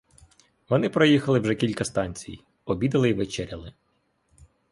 Вони проїхали вже кілька станцій, обідали й вечеряли.